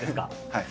はい。